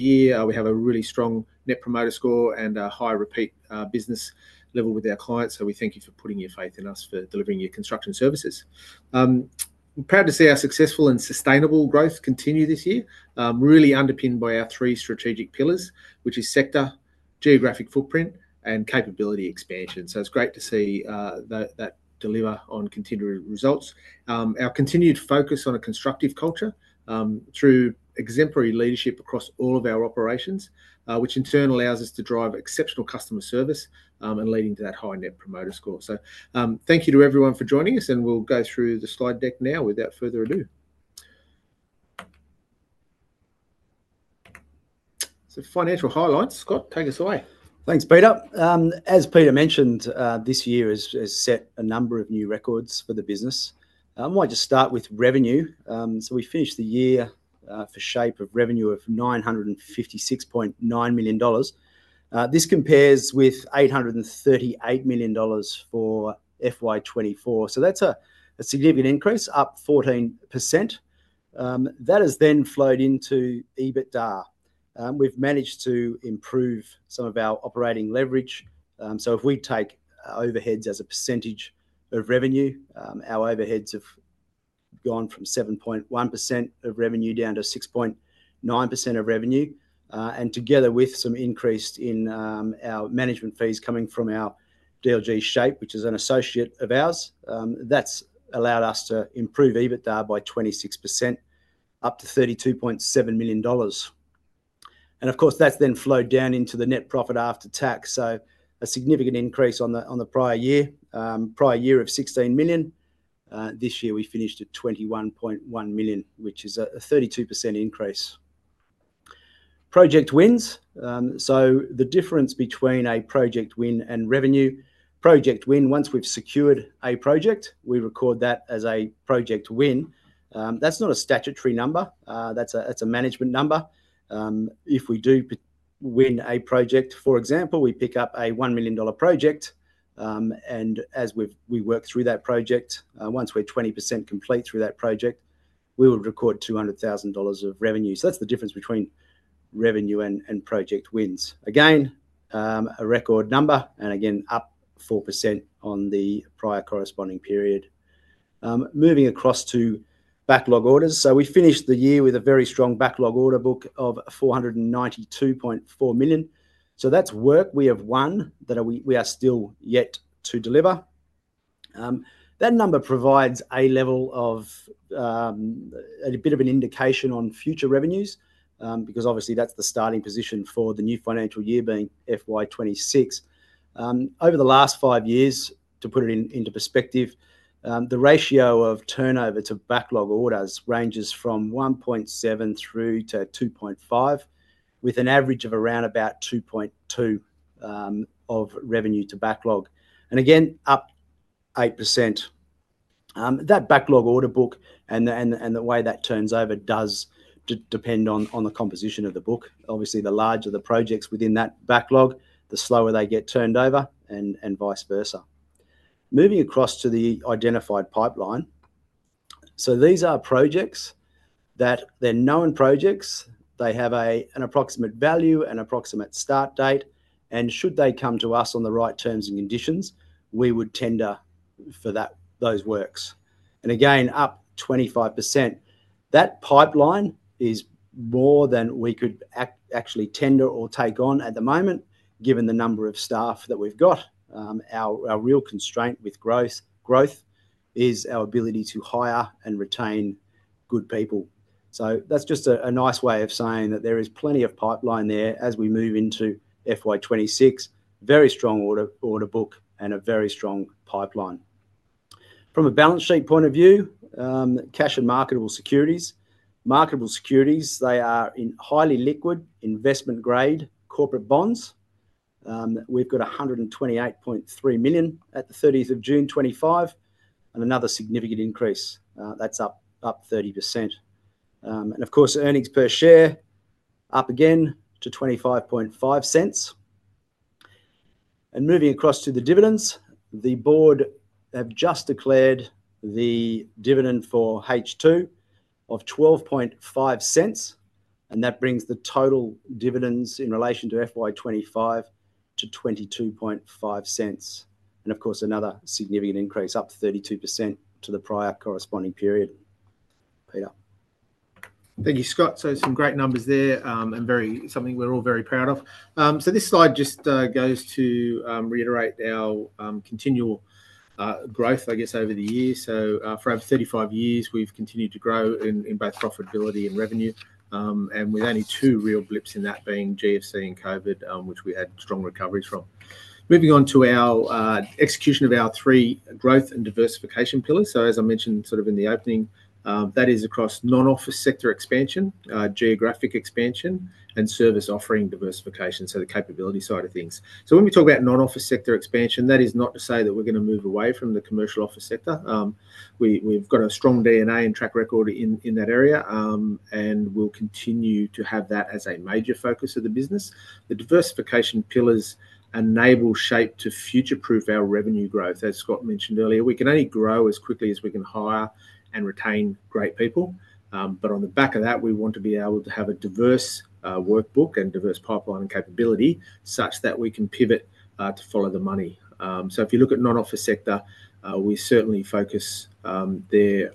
Year, we have a really strong Net Promoter Score and a high repeat business level with our clients, so we thank you for putting your faith in us for delivering your construction services. I'm proud to see our successful and sustainable growth continue this year, really underpinned by our three strategic pillars, which are sector, geographic footprint, and capability expansion. It's great to see that dilemma on contemporary results. Our continued focus on a constructive culture through exemplary leadership across all of our operations, which in turn allows us to drive exceptional customer service and leading to that high Net Promoter Score. Thank you to everyone for joining us, and we'll go through the slide deck now without further ado. Financial highlights, Scott, take us away. Thanks, Peter. As Peter mentioned, this year has set a number of new records for the business. I might just start with revenue. We finished the year for SHAPE with revenue of $956.9 million. This compares with $838 million for FY 2024, so that's a significant increase, up 14%. That has then flowed into EBITDA. We've managed to improve some of our operating leverage. If we take overheads as a percentage of revenue, our overheads have gone from 7.1% of revenue down to 6.9% of revenue, and together with some increase in our management fees coming from our DLG SHAPE, which is an associate of ours, that's allowed us to improve EBITDA by 26%, up to $32.7 million. Of course, that's then flowed down into the net profit after tax, so a significant increase on the prior year. Prior year of $16 million, this year we finished at $21.1 million, which is a 32% increase. Project wins, so the difference between a project win and revenue. Project win, once we've secured a project, we record that as a project win. That's not a statutory number, that's a management number. If we do win a project, for example, we pick up a $1 million project, and as we work through that project, once we're 20% complete through that project, we will record $200,000 of revenue. That's the difference between revenue and project wins. Again, a record number, and again up 4% on the prior corresponding period. Moving across to backlog orders, we finished the year with a very strong backlog order book of $492.4 million. That's work we have won that we are still yet to deliver. That number provides a level of a bit of an indication on future revenues because obviously that's the starting position for the new financial year being FY 2026. Over the last five years, to put it into perspective, the ratio of turnover to backlog orders ranges from 1.7% through to 2.5%, with an average of around about 2.2% of revenue to backlog, and again up 8%. That backlog order book and the way that turns over does depend on the composition of the book. Obviously, the larger the projects within that backlog, the slower they get turned over and vice versa. Moving across to the identified pipeline, these are projects that they're known projects, they have an approximate value, an approximate start date, and should they come to us on the right terms and conditions, we would tender for those works. Again, up 25%. That pipeline is more than we could actually tender or take on at the moment, given the number of staff that we've got. Our real constraint with growth is our ability to hire and retain good people. That's just a nice way of saying that there is plenty of pipeline there as we move into FY 2026. Very strong order book and a very strong pipeline. From a balance sheet point of view, cash and marketable securities. Marketable securities, they are in highly liquid investment-grade corporate bonds. We've got $128.3 million at the 30th of June 2025, and another significant increase, that's up 30%. Of course, earnings per share up again to $0.255. Moving across to the dividends, the board has just declared the dividend for H2 of $0.125, and that brings the total dividends in relation to FY 2025 to $0.225. Of course, another significant increase, up 32% to the prior corresponding period. Peter. Thank you, Scott. Some great numbers there and something we're all very proud of. This slide just goes to reiterate our continual growth over the years. For over 35 years, we've continued to grow in both profitability and revenue, with only two real blips in that being GFC and COVID, which we had strong recoveries from. Moving on to our execution of our three growth and diversification pillars. As I mentioned in the opening, that is across non-office sector expansion, geographic expansion, and service offering diversification, the capability side of things. When we talk about non-office sector expansion, that is not to say that we're going to move away from the commercial office sector. We've got a strong DNA and track record in that area, and we'll continue to have that as a major focus of the business. The diversification pillars enable SHAPE to future-proof our revenue growth. As Scott mentioned earlier, we can only grow as quickly as we can hire and retain great people, but on the back of that, we want to be able to have a diverse workbook and diverse pipeline and capability such that we can pivot to follow the money. If you look at non-office sector, we certainly focus there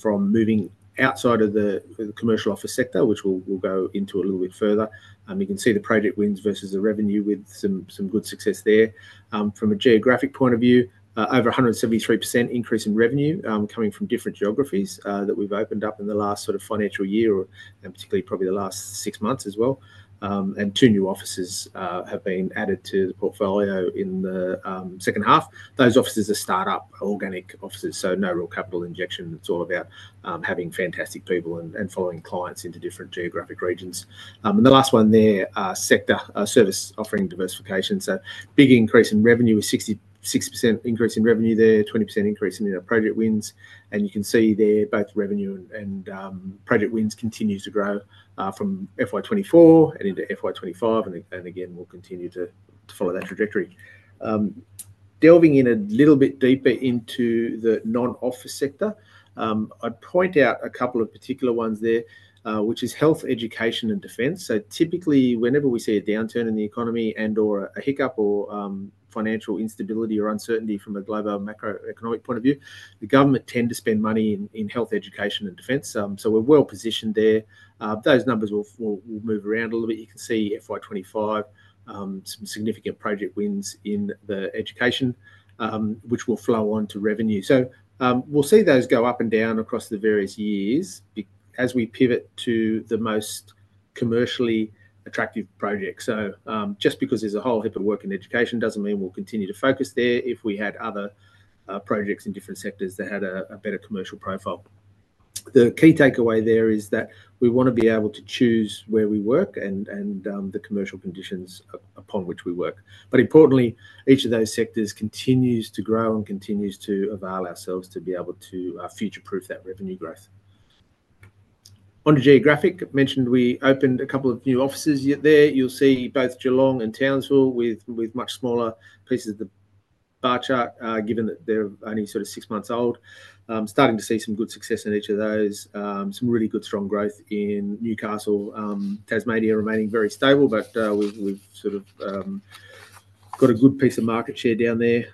from moving outside of the commercial office sector, which we'll go into a little bit further. You can see the project wins versus the revenue with some good success there. From a geographic point of view, over a 173% increase in revenue coming from different geographies that we've opened up in the last financial year and particularly probably the last six months as well. Two new offices have been added to the portfolio in the second half. Those offices are startup organic offices, so no real capital injection. It's all about having fantastic people and following clients into different geographic regions. The last one there, sector service offering diversification. Big increase in revenue with 66% increase in revenue there, 20% increase in our project wins. You can see there both revenue and project wins continue to grow from FY 2024 and into FY 2025, and again we'll continue to follow that trajectory. Delving in a little bit deeper into the non-office sector, I'd point out a couple of particular ones there, which is health, education, and defence. Typically, whenever we see a downturn in the economy and/or a hiccup or financial instability or uncertainty from a global macroeconomic point of view, the government tends to spend money in health, education, and defense. We're well-positioned there. Those numbers will move around a little bit. You can see FY 2025, some significant project wins in education, which will flow on to revenue. We'll see those go up and down across the various years as we pivot to the most commercially attractive projects. Just because there's a whole heap of work in education doesn't mean we'll continue to focus there. If we had other projects in different sectors that had a better commercial profile, the key takeaway there is that we want to be able to choose where we work and the commercial conditions upon which we work. Importantly, each of those sectors continues to grow and continues to avail ourselves to be able to future-proof that revenue growth. Onto geographic, mentioned we opened a couple of new offices there. You'll see both Geelong and Townsville with much smaller pieces of the bar chart, given that they're only sort of six months old. Starting to see some good success in each of those. Some really good strong growth in Newcastle. Tasmania remaining very stable, but we've sort of got a good piece of market share down there,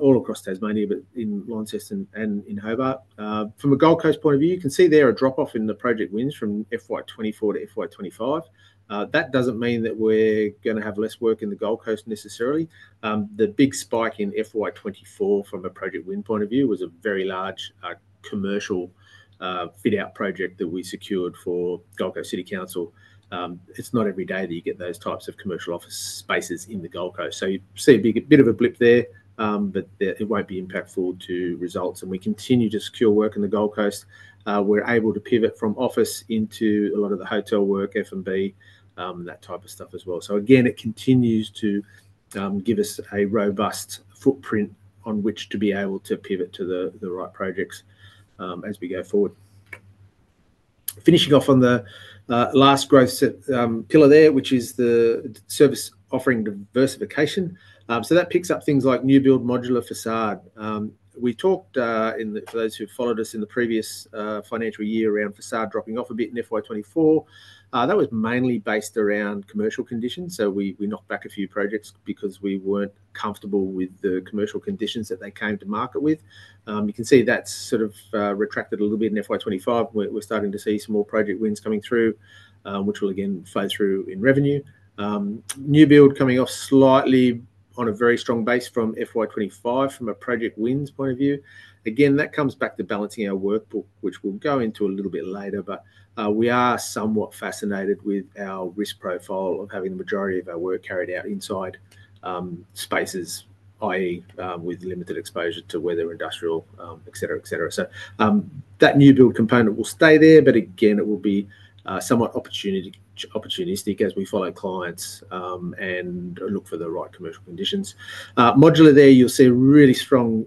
all across Tasmania, but in Launceston and in Hobart. From a Gold Coast point of view, you can see there a drop-off in the project wins from FY 2024 to FY2025. That doesn't mean that we're going to have less work in the Gold Coast necessarily. The big spike in FY 2024 from a project win point of view was a very large commercial fitout project that we secured for Gold Coast City Council. It's not every day that you get those types of commercial office spaces in the Gold Coast. You see a bit of a blip there, but it won't be impactful to results. We continue to secure work in the Gold Coast. We're able to pivot from office into a lot of the hotel work, F&B, that type of stuff as well. It continues to give us a robust footprint on which to be able to pivot to the right projects as we go forward. Finishing off on the last growth pillar there, which is the service offering diversification. That picks up things like new build, modular, facade. We talked in, for those who followed us in the previous financial year, around facade dropping off a bit in FY 2024. That was mainly based around commercial conditions, so we knocked back a few projects because we weren't comfortable with the commercial conditions that they came to market with. You can see that's sort of retracted a little bit in FY 2025. We're starting to see some more project wins coming through, which will again flow through in revenue. New build coming off slightly on a very strong base from FY 2025 from a project wins point of view. That comes back to balancing our workbook, which we'll go into a little bit later, but we are somewhat fascinated with our risk profile of having the majority of our work carried out inside spaces, i.e., with limited exposure to weather, industrial, etc. That new build component will stay there, but it will be somewhat opportunistic as we follow clients and look for the right commercial conditions. Modular there, you'll see a really strong,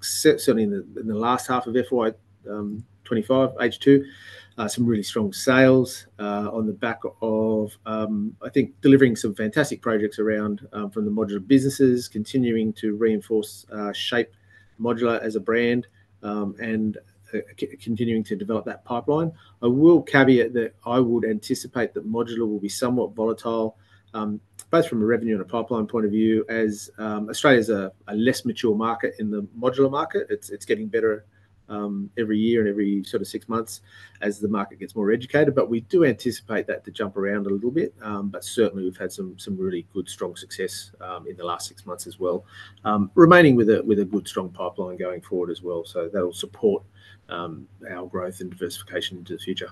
certainly in the last half of FY 2025, H2, some really strong sales on the back of, I think, delivering some fantastic projects around from the modular businesses, continuing to reinforce SHAPE Modular as a brand and continuing to develop that pipeline. I will caveat that I would anticipate that modular will be somewhat volatile, both from a revenue and a pipeline point of view, as Australia is a less mature market in the modular market. It's getting better every year and every sort of six months as the market gets more educated, but we do anticipate that to jump around a little bit, but certainly we've had some really good strong success in the last six months as well, remaining with a good strong pipeline going forward as well. That'll support our growth and diversification into the future.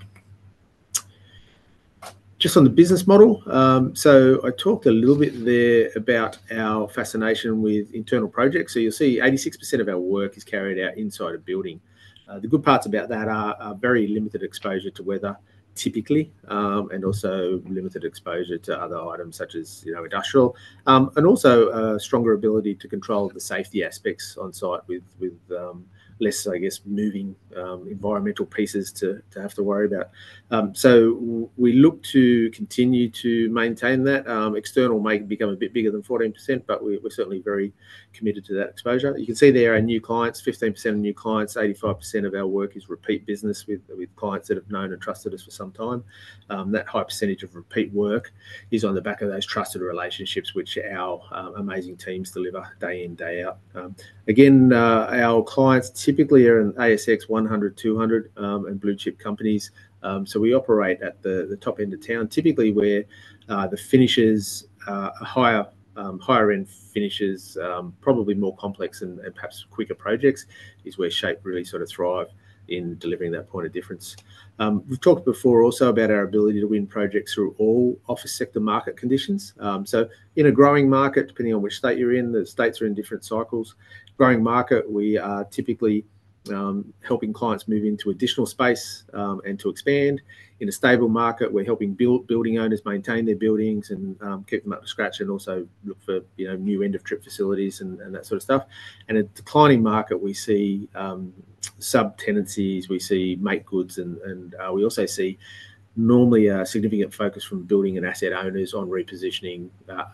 Just on the business model, I talked a little bit there about our fascination with internal projects. You'll see 86% of our work is carried out inside a building. The good parts about that are very limited exposure to weather typically and also limited exposure to other items such as industrial and also a stronger ability to control the safety aspects on site with less, I guess, moving environmental pieces to have to worry about. We look to continue to maintain that. External may become a bit bigger than 14%, but we're certainly very committed to that exposure. You can see there are new clients, 15% of new clients, 85% of our work is repeat business with clients that have known and trusted us for some time. That high percentage of repeat work is on the back of those trusted relationships, which our amazing teams deliver day in, day out. Again, our clients typically are in ASX 100, 200, and blue chip companies, so we operate at the top end of town. Typically, where the finishers are higher-end finishers, probably more complex and perhaps quicker projects is where SHAPE really sort of thrives in delivering that point of difference. We've talked before also about our ability to win projects through all office sector market conditions. In a growing market, depending on which state you're in, the states are in different cycles. Growing market, we are typically helping clients move into additional space and to expand. In a stable market, we're helping building owners maintain their buildings and keep them up to scratch and also look for new end-of-trip facilities and that sort of stuff. In a declining market, we see sub-tenancies, we see make goods, and we also see normally a significant focus from building and asset owners on repositioning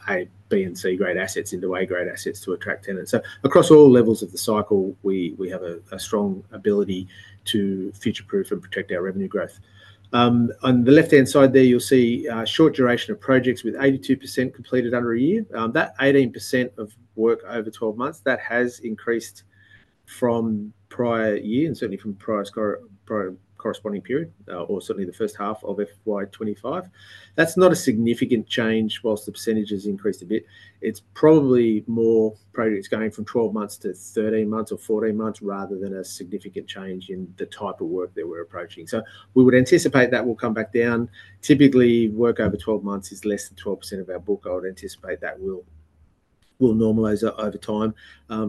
A, B, and C grade assets into A grade assets to attract tenants. Across all levels of the cycle, we have a strong ability to future-proof and protect our revenue growth. On the left-hand side there, you'll see a short duration of projects with 82% completed under a year. That 18% of work over 12 months, that has increased from prior year and certainly from prior corresponding period or certainly the first half of FY 2025. That's not a significant change whilst the percentage has increased a bit. It's probably more projects going from 12 months to 13 months or 14 months rather than a significant change in the type of work that we're approaching. We would anticipate that will come back down. Typically, work over 12 months is less than 12% of our book. I would anticipate that will normalize over time.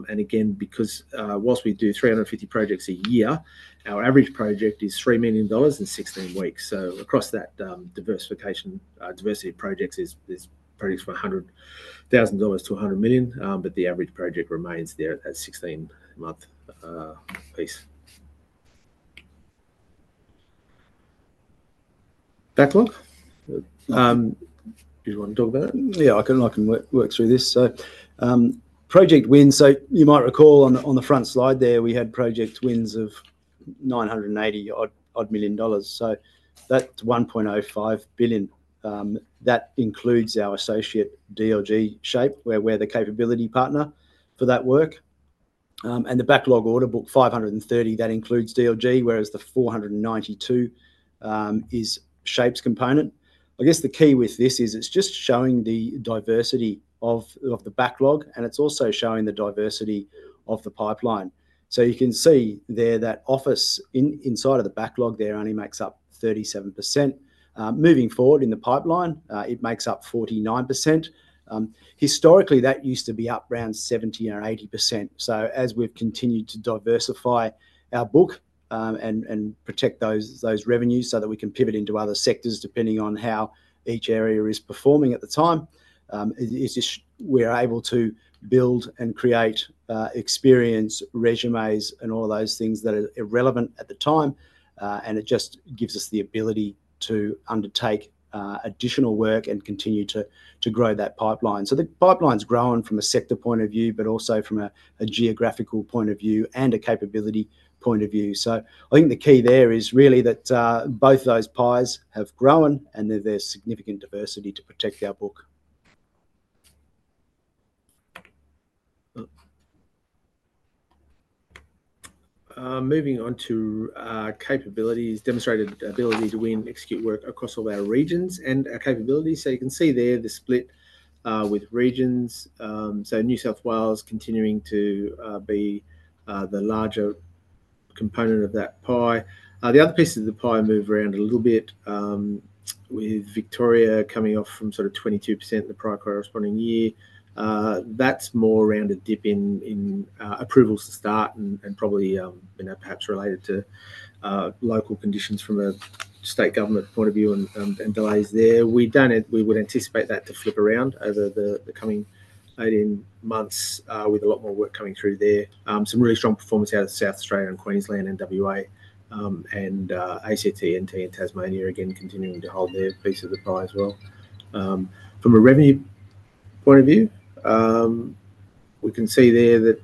Again, because whilst we do 350 projects a year, our average project is $3 million in 16 weeks. Across that diversification, diversity of projects is projects from $100,000-$100 million, but the average project remains there at a 16-month piece. Backlog? Do you want to talk about that? Yeah, I can work through this. Project wins. You might recall on the front slide there, we had project wins of $980 million. That $1.05 billion, that includes our associate DLG SHAPE, where we're the capability partner for that work. The backlog order book $530 million, that includes DLG, whereas the $492 million is SHAPE's component. The key with this is it's just showing the diversity of the backlog and it's also showing the diversity of the pipeline. You can see there that office inside of the backlog there only makes up 37%. Moving forward in the pipeline, it makes up 49%. Historically, that used to be up around 70% or 80%. As we've continued to diversify our book and protect those revenues so that we can pivot into other sectors depending on how each area is performing at the time, we are able to build and create experience, resumes, and all of those things that are relevant at the time. It just gives us the ability to undertake additional work and continue to grow that pipeline. The pipeline's grown from a sector point of view, but also from a geographical point of view and a capability point of view. I think the key there is really that both those pies have grown and there's significant diversity to protect our book. Moving on to capabilities, demonstrated ability to win and execute work across all our regions and our capabilities. You can see there the split with regions. New South Wales continues to be the larger component of that pie. The other pieces of the pie move around a little bit with Victoria coming off from sort of 22% in the prior corresponding year. That's more around a dip in approvals to start and probably perhaps related to local conditions from a state government point of view and delays there. We would anticipate that to flip around over the coming 18 months with a lot more work coming through there. Some really strong performance out of South Australia and Queensland and WA and ACT, NT, and Tasmania again continuing to hold their piece of the pie as well. From a revenue point of view, we can see there that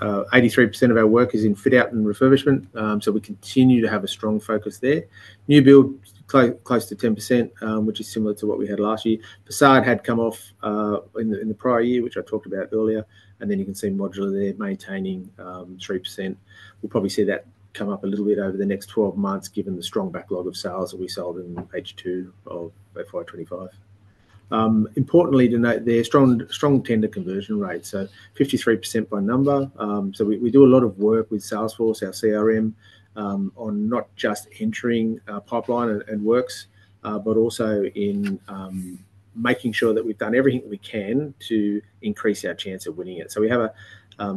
83% of our work is in fitout and refurbishment. We continue to have a strong focus there. New build close to 10%, which is similar to what we had last year. Facade had come off in the prior year, which I talked about earlier, and then you can see modular there maintaining 3%. We'll probably see that come up a little bit over the next 12 months given the strong backlog of sales that we sold in H2 of FY 2025. Importantly to note there, strong tender conversion rates, so 53% by number. We do a lot of work with Salesforce, our CRM, on not just entering pipeline and works, but also in making sure that we've done everything that we can to increase our chance of winning it. We have a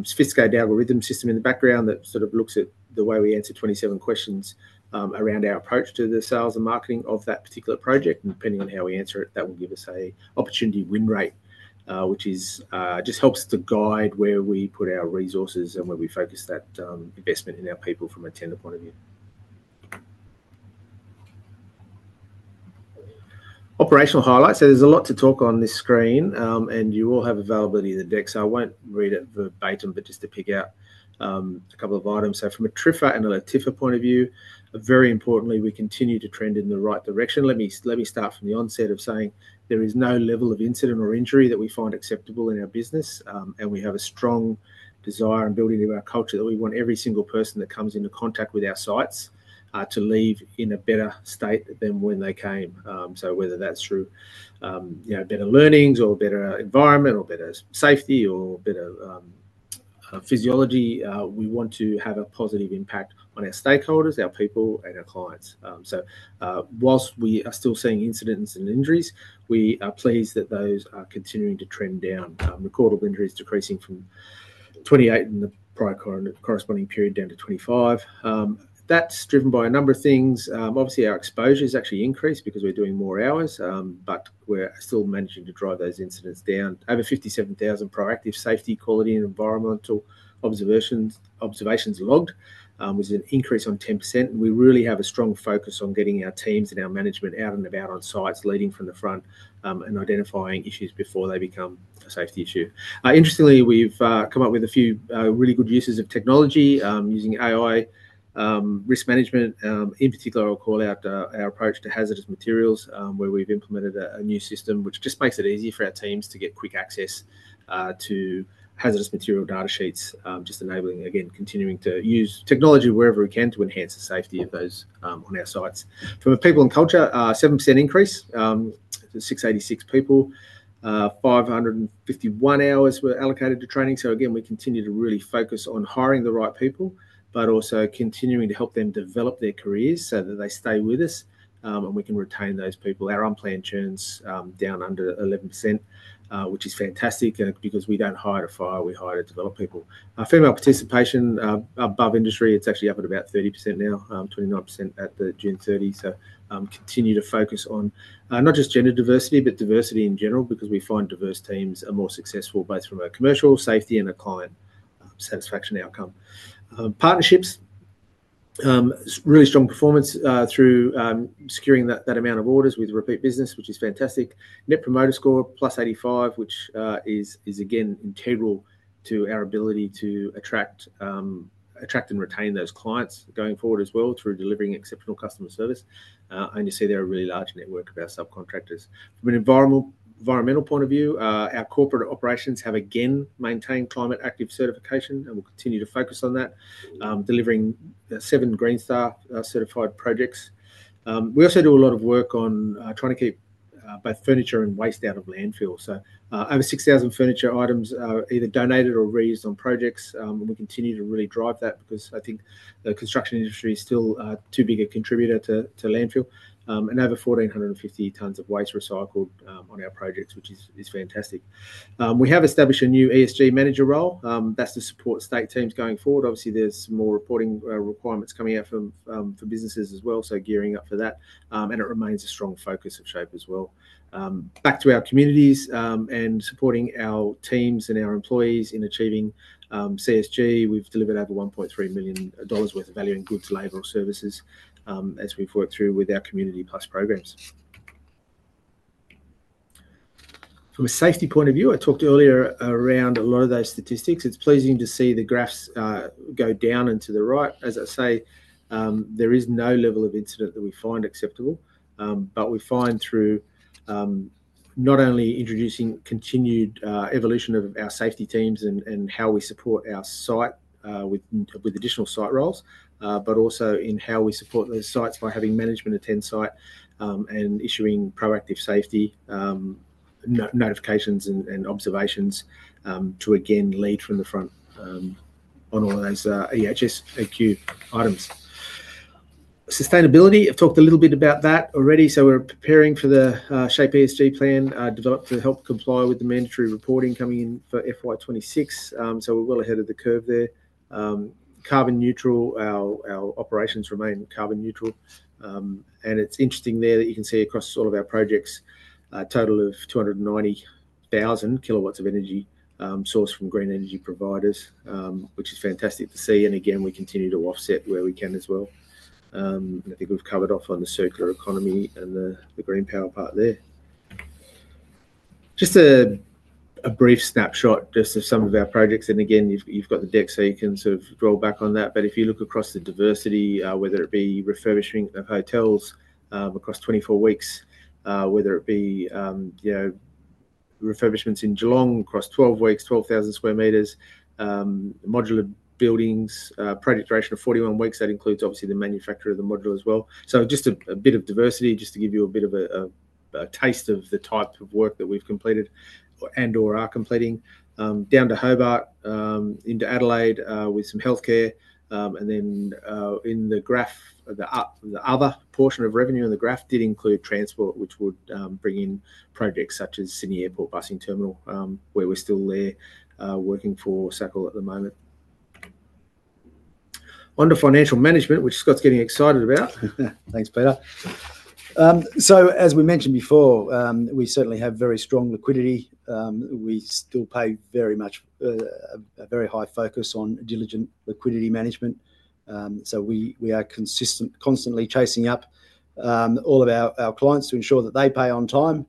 sophisticated algorithm system in the background that looks at the way we answer 27 questions around our approach to the sales and marketing of that particular project, and depending on how we answer it, that will give us an opportunity win rate, which helps to guide where we put our resources and where we focus that investment in our people from a tender point of view. Operational highlights, there's a lot to talk on this screen, and you all have availability of the deck, so I won't read it verbatim, but just to pick out a couple of items. From a tripper and a lifter point of view, very importantly, we continue to trend in the right direction. Let me start from the onset of saying there is no level of incident or injury that we find acceptable in our business, and we have a strong desire in building into our culture that we want every single person that comes into contact with our sites to leave in a better state than when they came. Whether that's through better learnings or better environment or better safety or better physiology, we want to have a positive impact on our stakeholders, our people, and our clients. Whilst we are still seeing incidents and injuries, we are pleased that those are continuing to trend down. Recordable injuries decreasing from 28 in the prior corresponding period down to 25. That's driven by a number of things. Obviously, our exposure has actually increased because we're doing more hours, but we're still managing to drive those incidents down. Over 57,000 proactive safety, quality, and environmental observations logged, with an increase of 10%. We really have a strong focus on getting our teams and our management out and about on sites, leading from the front and identifying issues before they become a safety issue. Interestingly, we've come up with a few really good uses of technology, using AI, risk management. In particular, I'll call out our approach to hazardous materials, where we've implemented a new system which makes it easy for our teams to get quick access to hazardous material data sheets, enabling, again, continuing to use technology wherever we can to enhance the safety of those on our sites. From a people and culture, a 7% increase to 686 people, 551 hours were allocated to training. We continue to really focus on hiring the right people, but also continuing to help them develop their careers so that they stay with us and we can retain those people. Our unplanned churn's down under 11%, which is fantastic because we don't hire to fire, we hire to develop people. Our female participation above industry, it's actually up at about 30% now, 29% at June 30. We continue to focus on not just gender diversity, but diversity in general because we find diverse teams are more successful, both from a commercial, safety, and a client satisfaction outcome. Partnerships, really strong performance through securing that amount of orders with repeat business, which is fantastic. Net Promoter Score +85, which is again integral to our ability to attract and retain those clients going forward as well through delivering exceptional customer service. You see there a really large network of our subcontractors. From an environmental point of view, our corporate operations have again maintained climate active certification and will continue to focus on that, delivering seven Green Star certified projects. We also do a lot of work on trying to keep both furniture and waste out of landfill. Over 6,000 furniture items are either donated or reused on projects, and we continue to really drive that because I think the construction industry is still too big a contributor to landfill. Over 1,450 tons of waste recycled on our projects, which is fantastic. We have established a new ESG manager role. That's to support state teams going forward. Obviously, there's more reporting requirements coming out for businesses as well, gearing up for that. It remains a strong focus of SHAPE as well. Back to our communities and supporting our teams and our employees in achieving CSG, we've delivered over $1.3 million worth of value in goods, labor, or services as we've worked through with our community plus programs. From a safety point of view, I talked earlier around a lot of those statistics. It's pleasing to see the graphs go down and to the right. As I say, there is no level of incident that we find acceptable, but we find through not only introducing continued evolution of our safety teams and how we support our site with additional site roles, but also in how we support those sites by having management attend site and issuing proactive safety notifications and observations to again lead from the front on all those EHS AQ items. Sustainability, I've talked a little bit about that already. We are preparing for the SHAPE ESG plan developed to help comply with the mandatory reporting coming in for FY 2026. We are well ahead of the curve there. Carbon neutral, our operations remain carbon neutral. It is interesting there that you can see across all of our projects, a total of 290,000 kW of energy sourced from green energy providers, which is fantastic to see. We continue to offset where we can as well. I think we've covered off on the circular economy and the green power part there. Just a brief snapshot of some of our projects. You've got the deck so you can sort of draw back on that. If you look across the diversity, whether it be refurbishing of hotels across 24 weeks, whether it be refurbishments in Geelong across 12 weeks, 12,000 sq m, modular buildings, project duration of 41 weeks, that includes obviously the manufacture of the modular as well. Just a bit of diversity to give you a bit of a taste of the type of work that we've completed and/or are completing. Down to Hobart, into Adelaide with some healthcare. In the graph, the other portion of revenue in the graph did include transport, which would bring in projects such as Sydney Airport Bussing Terminal, where we're still there working for SACL at the moment. Onto financial management, which Scott's getting excited about. Thanks, Peter. As we mentioned before, we certainly have very strong liquidity. We still pay very much, a very high focus on diligent liquidity management. We are constantly chasing up all of our clients to ensure that they pay on time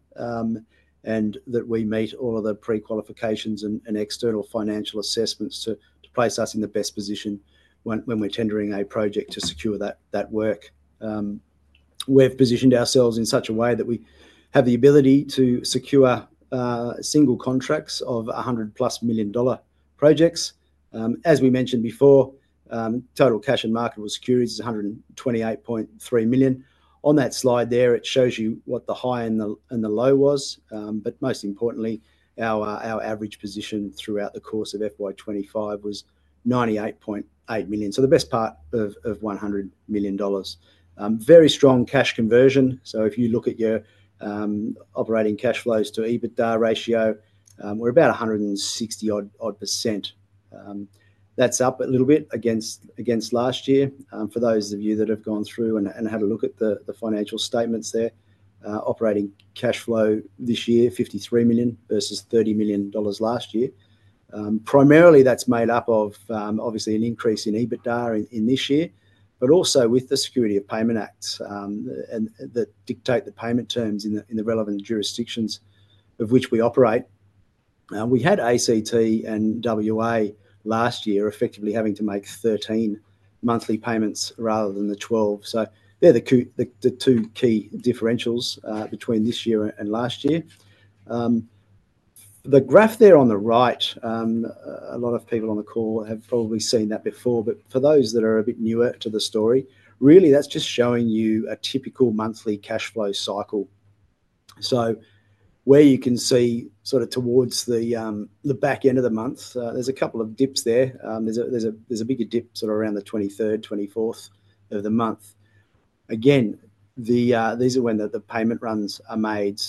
and that we meet all of the pre-qualifications and external financial assessments to place us in the best position when we're tendering a project to secure that work. We've positioned ourselves in such a way that we have the ability to secure single contracts of $100+ million projects. As we mentioned before, total cash and marketable securities is $128.3 million. On that slide there, it shows you what the high and the low was. Most importantly, our average position throughout the course of FY 2025 was $98.8 million, so the best part of $100 million. Very strong cash conversion. If you look at your operating cash flows to EBITDA ratio, we're about 160% odd. That's up a little bit against last year. For those of you that have gone through and had a look at the financial statements there, operating cash flow this year, $53 million versus $30 million last year. Primarily, that's made up of obviously an increase in EBITDA in this year, but also with the security of payment acts that dictate the payment terms in the relevant jurisdictions of which we operate. We had ACT and WA last year effectively having to make 13 monthly payments rather than the 12. They're the two key differentials between this year and last year. The graph there on the right, a lot of people on the call have probably seen that before. For those that are a bit newer to the story, really that's just showing you a typical monthly cash flow cycle. Where you can see sort of towards the back end of the month, there's a couple of dips there. There's a bigger dip sort of around the 23rd, 24th of the month. These are when the payment runs are made.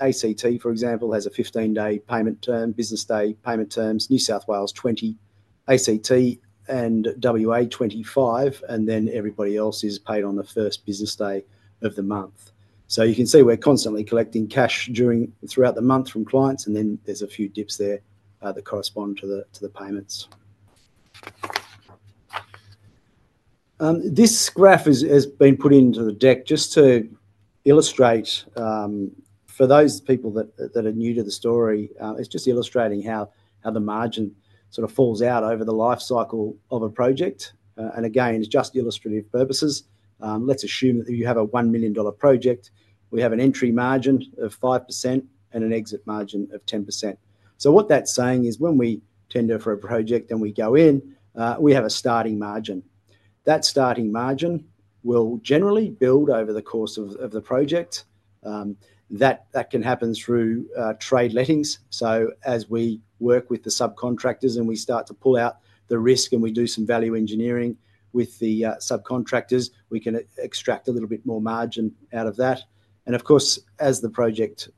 ACT, for example, has a 15-day payment term, business day payment terms, New South Wales 20, ACT and WA 25, and then everybody else is paid on the first business day of the month. You can see we're constantly collecting cash throughout the month from clients, and then there's a few dips there that correspond to the payments. This graph has been put into the deck just to illustrate, for those people that are new to the story, it's just illustrating how the margin sort of falls out over the life cycle of a project. It's just illustrative purposes. Let's assume that you have a $1 million project. We have an entry margin of 5% and an exit margin of 10%. What that's saying is when we tender for a project and we go in, we have a starting margin. That starting margin will generally build over the course of the project. That can happen through trade lettings. As we work with the subcontractors and we start to pull out the risk and we do some value engineering with the subcontractors, we can extract a little bit more margin out of that. Of course, as the project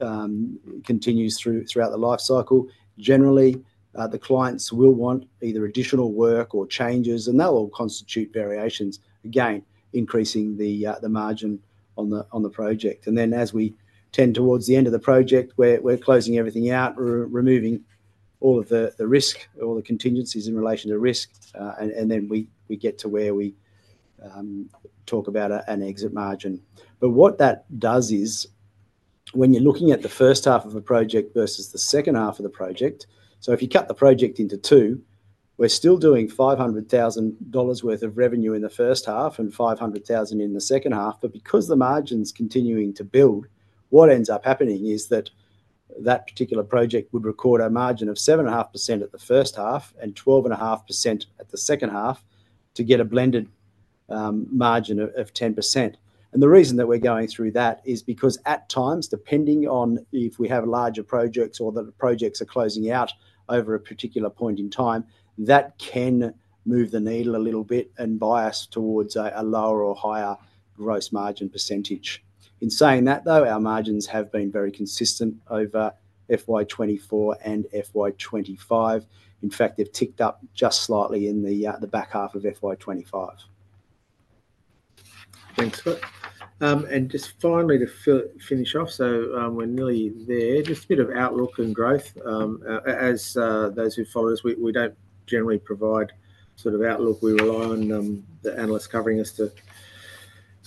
continues throughout the life cycle, generally the clients will want either additional work or changes, and they'll all constitute variations, again, increasing the margin on the project. As we tend towards the end of the project, we're closing everything out, removing all of the risk, all the contingencies in relation to risk, and then we get to where we talk about an exit margin. What that does is when you're looking at the first half of a project versus the second half of the project, if you cut the project into two, we're still doing $500,000 worth of revenue in the first half and $500,000 in the second half. Because the margin's continuing to build, what ends up happening is that particular project would record a margin of 7.5% at the first half and 12.5% at the second half to get a blended margin of 10%. The reason that we're going through that is because at times, depending on if we have larger projects or the projects are closing out over a particular point in time, that can move the needle a little bit and bias towards a lower or higher gross margin percentage. In saying that, though, our margins have been very consistent over FY 2024 and FY 2025. In fact, they've ticked up just slightly in the back half of FY 2025. Thanks, Scott. And just finally to finish off, we're nearly there, just a bit of outlook and growth. As those who follow us, we don't generally provide sort of outlook. We rely on the analysts covering us to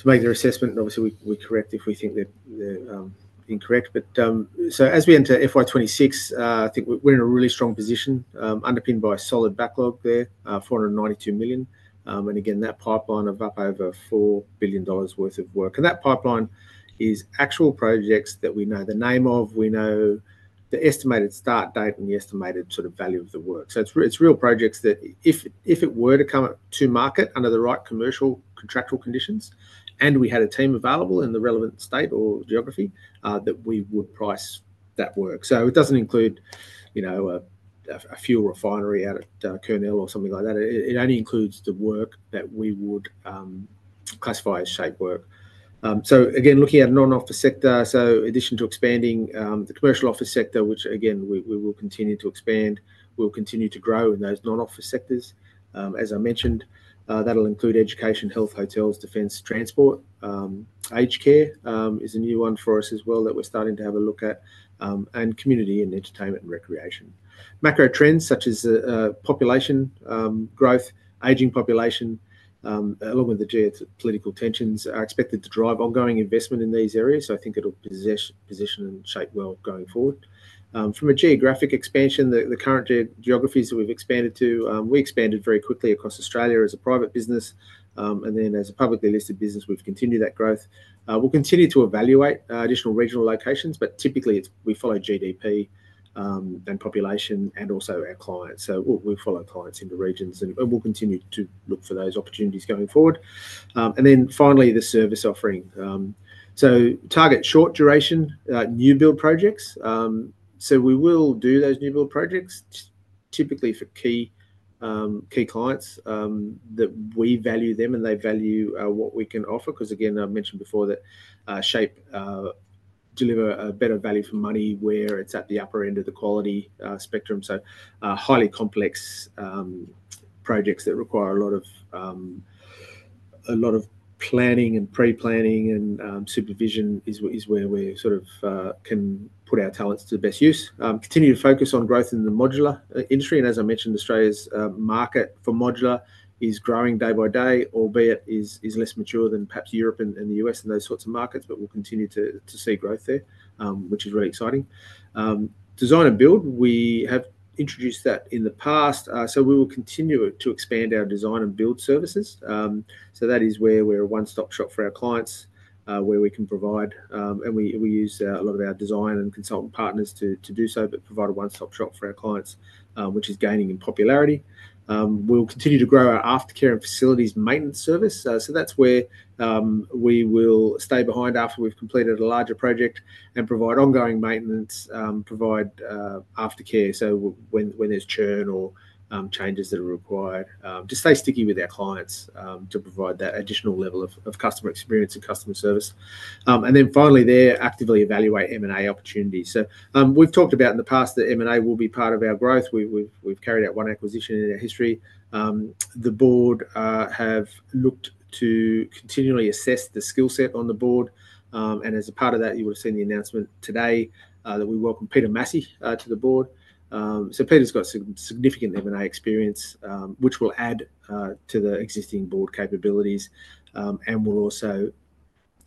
make their assessment. Obviously, we correct if we think they're incorrect. As we enter FY 2026, I think we're in a really strong position underpinned by a solid backlog there, $492 million. That pipeline of up over $4 billion worth of work is actual projects that we know the name of, we know the estimated start date and the estimated sort of value of the work. It's real projects that if it were to come to market under the right commercial contractual conditions and we had a team available in the relevant state or geography, we would price that work. It doesn't include, you know, a fuel refinery out at Kurnell or something like that. It only includes the work that we would classify as SHAPE work. Looking at non-office sector, in addition to expanding the commercial office sector, which we will continue to expand, we'll continue to grow in those non-office sectors. As I mentioned, that'll include education, health, hotels, defense, transport, aged care is a new one for us as well that we're starting to have a look at, and community and entertainment and recreation. Macro trends such as population growth, aging population, along with the geopolitical tensions, are expected to drive ongoing investment in these areas. I think it'll position SHAPE well going forward. From a geographic expansion, the current geographies that we've expanded to, we expanded very quickly across Australia as a private business. As a publicly listed business, we've continued that growth. We'll continue to evaluate additional regional locations, but typically we follow GDP and population and also our clients. We'll follow clients in the regions and we'll continue to look for those opportunities going forward. Finally, the service offering. Target short-duration new build projects. We will do those new build projects typically for key clients that we value them and they value what we can offer. I mentioned before that SHAPE deliver a better value for money where it's at the upper end of the quality spectrum. Highly complex projects that require a lot of planning and pre-planning and supervision is where we sort of can put our talents to the best use. Continue to focus on growth in the modular industry. As I mentioned, Australia's market for modular is growing day by day, albeit it is less mature than perhaps Europe and the U.S. and those sorts of markets, but we'll continue to see growth there, which is really exciting. Design and build, we have introduced that in the past. We will continue to expand our design and build services. That is where we're a one-stop shop for our clients, where we can provide, and we use a lot of our design and consultant partners to do so, but provide a one-stop shop for our clients, which is gaining in popularity. We'll continue to grow our aftercare and facilities maintenance service. That's where we will stay behind after we've completed a larger project and provide ongoing maintenance, provide aftercare. When there's churn or changes that are required, just stay sticky with our clients to provide that additional level of customer experience and customer service. Finally, actively evaluate M&A opportunities. We've talked about in the past that M&A will be part of our growth. We've carried out one acquisition in our history. The board has looked to continually assess the skill set on the board. As a part of that, you would have seen the announcement today that we welcome Peter Massey to the board. Peter's got some significant M&A experience, which will add to the existing board capabilities and will also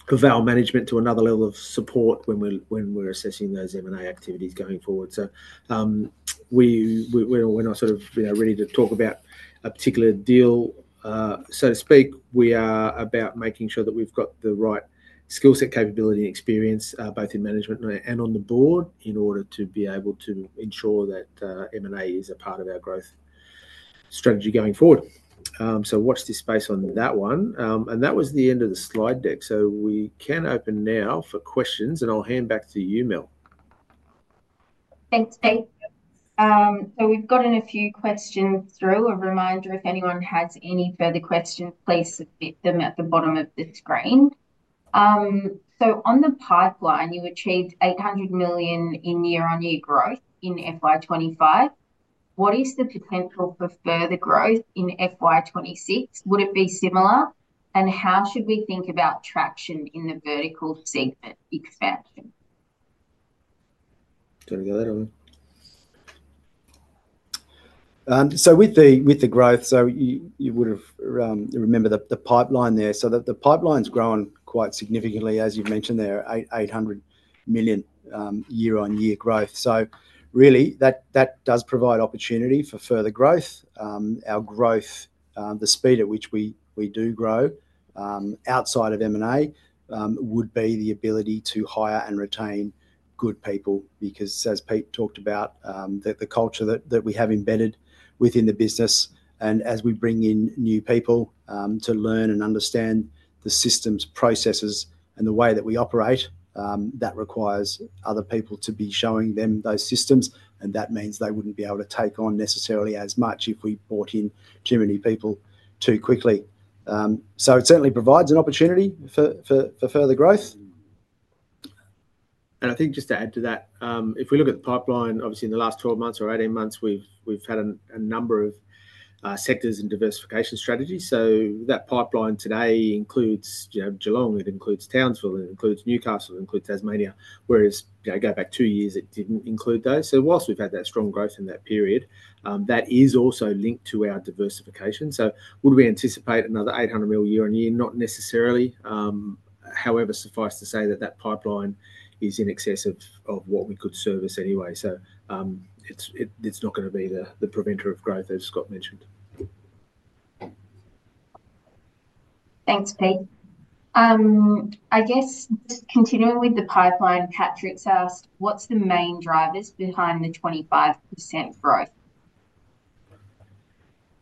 provide management another level of support when we're assessing those M&A activities going forward. We're all sort of ready to talk about a particular deal, so to speak. We are about making sure that we've got the right skill set, capability, and experience both in management and on the board in order to be able to ensure that M&A is a part of our growth strategy going forward. Watch this space on that one. That was the end of the slide deck. We can open now for questions, and I'll hand back to you, Mel. Thanks, Pete. We've gotten a few questions through. A reminder, if anyone has any further questions, please submit them at the bottom of the screen. On the pipeline, you achieved $800 million in year-on-year growth in FY 2025. What is the potential for further growth in FY 2026? Would it be similar? How should we think about traction in the vertical segment expansion? Go ahead. With the growth, you would have remembered the pipeline there. The pipeline's grown quite significantly, as you've mentioned, $800 million year-on-year growth. That does provide opportunity for further growth. Our growth, the speed at which we do grow outside of M&A, would be the ability to hire and retain good people because, as Pete talked about, the culture that we have embedded within the business. As we bring in new people to learn and understand the systems, processes, and the way that we operate, that requires other people to be showing them those systems. That means they wouldn't be able to take on necessarily as much if we brought in too many people too quickly. It certainly provides an opportunity for further growth. I think just to add to that, if we look at the pipeline, obviously in the last 12 months or 18 months, we've had a number of sectors and diversification strategies. That pipeline today includes Geelong, it includes Townsville, it includes Newcastle, it includes Tasmania, whereas two years ago, it didn't include those. Whilst we've had that strong growth in that period, that is also linked to our diversification. Would we anticipate another $800 million year-on-year? Not necessarily. However, suffice to say that pipeline is in excess of what we could service anyway. It's not going to be the preventer of growth, as Scott mentioned. Thanks, Pete. I guess continuing with the pipeline, Patrick's asked, what's the main drivers behind the 25% growth?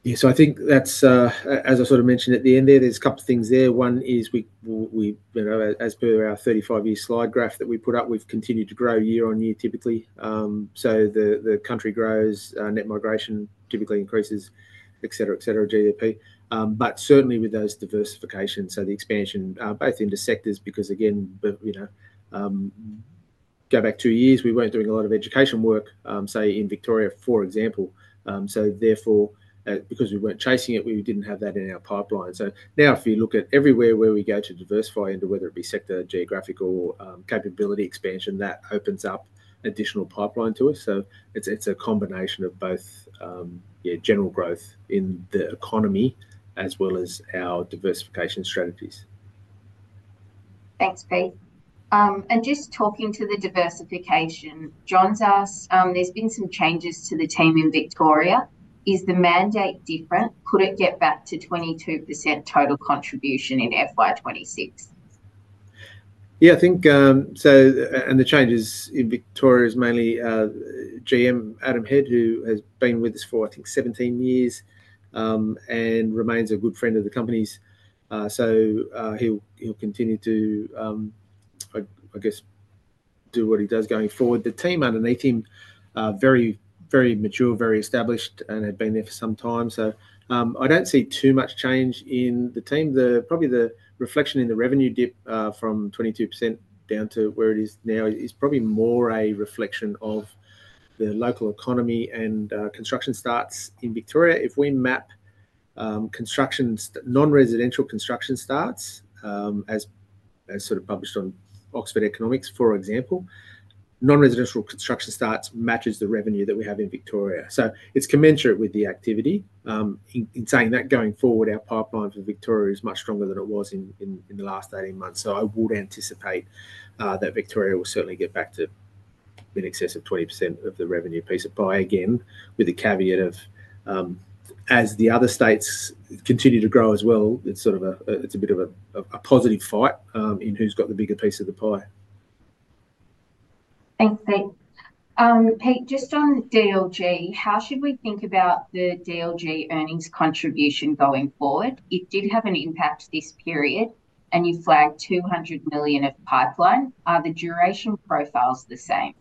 Yeah, I think that's, as I sort of mentioned at the end there, there's a couple of things there. One is we, you know, as per our 35-year slide graph that we put up, we've continued to grow year-on-year typically. The country grows, net migration typically increases, etcetera, etcetera, GDP. Certainly with those diversifications, the expansion both into sectors, because again, you know, go back two years, we weren't doing a lot of education work, say in Victoria, for example. Therefore, because we weren't chasing it, we didn't have that in our pipeline. Now if you look at everywhere where we go to diversify into, whether it be sector, geographical capability expansion, that opens up an additional pipeline to us. It's a combination of both general growth in the economy as well as our diversification strategies. Thanks, Pete. Just talking to the diversification, John's asked, there's been some changes to the team in Victoria. Is the mandate different? Could it get back to 22% total contribution in FY 2026? Yeah, I think so, and the changes in Victoria is mainly GM Adam Head, who has been with us for, I think, 17 years and remains a good friend of the company's. He'll continue to, I guess, do what he does going forward. The team underneath him, very, very mature, very established, and had been there for some time. I don't see too much change in the team. Probably the reflection in the revenue dip from 22% down to where it is now is probably more a reflection of the local economy and construction starts in Victoria. If we map non-residential construction starts, as sort of published on Oxford Economics, for example, non-residential construction starts matches the revenue that we have in Victoria. It's commensurate with the activity. In saying that, going forward, our pipeline for Victoria is much stronger than it was in the last 18 months. I would anticipate that Victoria will certainly get back to in excess of 20% of the revenue piece of pie again, with the caveat of, as the other states continue to grow as well, it's a bit of a positive fight in who's got the bigger piece of the pie. Thanks, Pete. Pete, just on DLG, how should we think about the DLG earnings contribution going forward? It did have an impact this period, and you flagged $200 million of pipeline. Are the duration profiles the same?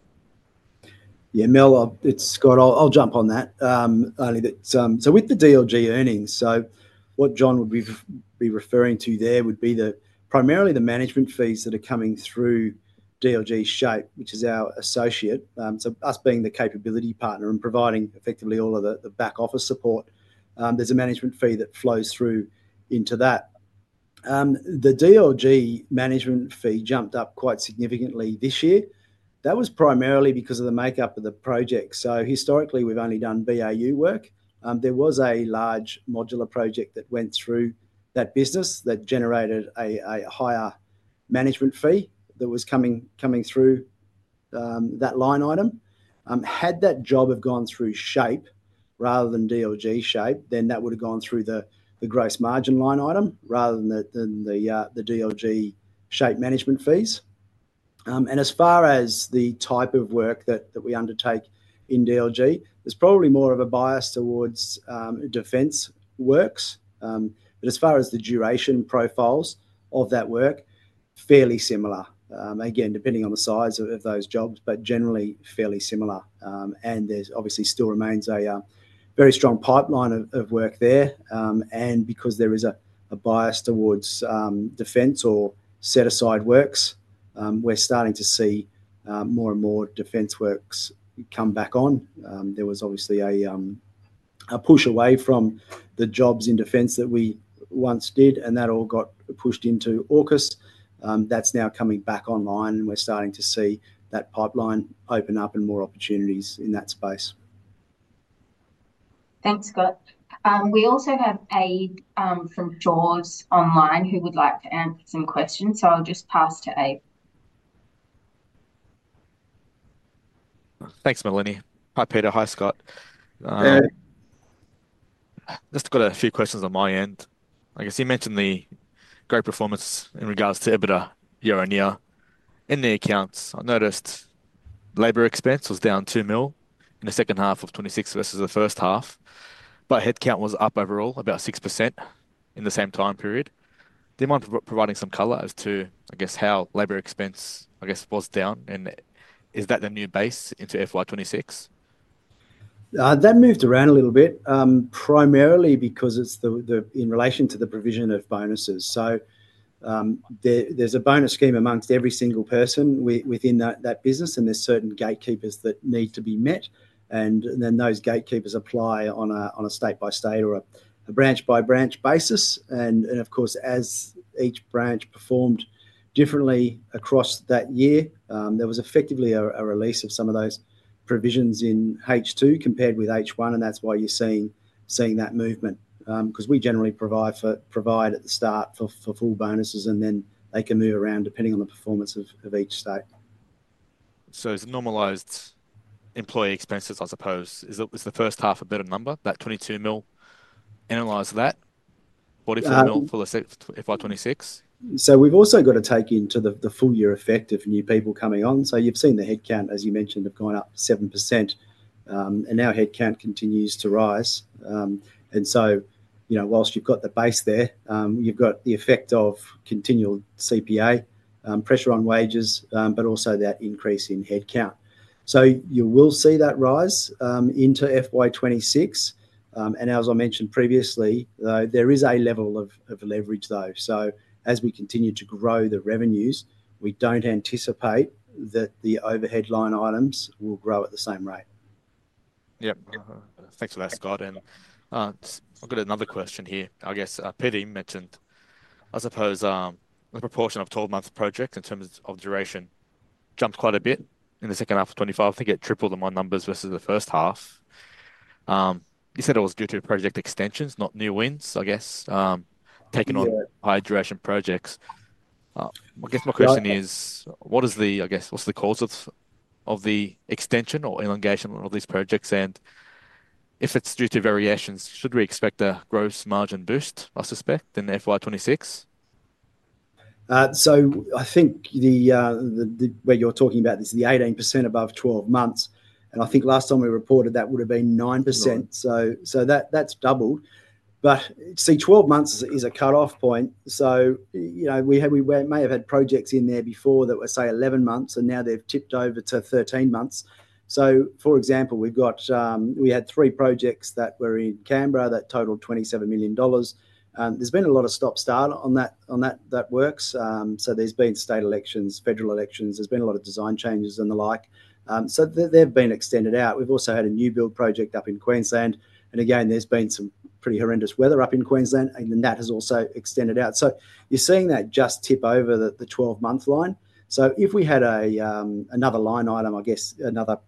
Yeah, Mel, it's Scott. I'll jump on that. With the DLG earnings, what John would be referring to there would be primarily the management fees that are coming through DLG SHAPE, which is our associate. Us being the capability partner and providing effectively all of the back office support, there's a management fee that flows through into that. The DLG management fee jumped up quite significantly this year. That was primarily because of the makeup of the project. Historically, we've only done BAU work. There was a large modular project that went through that business that generated a higher management fee that was coming through that line item. Had that job gone through SHAPE rather than DLG SHAPE, then that would have gone through the gross margin line item rather than the DLG SHAPE management fees. As far as the type of work that we undertake in DLG, there's probably more of a bias towards defence works. As far as the duration profiles of that work, fairly similar, depending on the size of those jobs, but generally fairly similar. There obviously still remains a very strong pipeline of work there. Because there is a bias towards defence or set-aside works, we're starting to see more and more defence works come back on. There was a push away from the jobs in defence that we once did, and that all got pushed into AUKUS. That's now coming back online, and we're starting to see that pipeline open up and more opportunities in that space. Thanks, Scott. We also have [Abe from George Online] who would like to ask some questions. I'll just pass to Abe. Thanks, Melanie. Hi, Peter. Hi, Scott. Just got a few questions on my end. You mentioned the great performance in regards to EBITDA year-on-year in the accounts. I noticed labor expense was down $2 million in the second half of 2026, versus the first half. Headcount was up overall about 6% in the same time period. Do you mind providing some color as to how labor expense was down? Is that the new base into FY 2026? That moved around a little bit, primarily because it's in relation to the provision of bonuses. There's a bonus scheme amongst every single person within that business, and there are certain gatekeepers that need to be met. Those gatekeepers apply on a state-by-state or a branch-by-branch basis. Of course, as each branch performed differently across that year, there was effectively a release of some of those provisions in H2 compared with H1. That's why you're seeing that movement, because we generally provide at the start for full bonuses, and then they can move around depending on the performance of each state. It's normalized employee expenses, I suppose. Is the first half a better number, that $22 million? Analyze that. What if that million for the FY 2026? We have also got to take into the full year effect of new people coming on. You have seen the headcount, as you mentioned, have gone up 7%, and our headcount continues to rise. Whilst you have got the base there, you have got the effect of continual CPA, pressure on wages, but also that increase in headcount. You will see that rise into FY 2026. As I mentioned previously, there is a level of leverage though. As we continue to grow the revenues, we do not anticipate that the overhead line items will grow at the same rate. Yep. Thanks for that, Scott. I've got another question here. I guess Pete mentioned, I suppose, the proportion of 12-month projects in terms of duration jumped quite a bit in the second half of 2025. I think tripled on numbers versus the first half. You said it was due to project extensions, not new wins, taken on high-duration projects. My question is, what is the cause of the extension or elongation of these projects? If it's due to variations, should we expect a gross margin boost, I suspect, in FY 2026? I think where you're talking about this is the 18% above 12 months. I think last time we reported that would have been 9%, so that's doubled. Twelve months is a cut-off point. We may have had projects in there before that were, say, 11 months, and now they've tipped over to 13 months. For example, we had three projects that were in Canberra that totaled $27 million. There's been a lot of stop-start on that work. There have been state elections, federal elections, and a lot of design changes and the like, so they've been extended out. We've also had a new build project up in Queensland, and again, there's been some pretty horrendous weather up in Queensland, and that has also extended out. You're seeing that just tip over the 12-month line. If we had another line item, another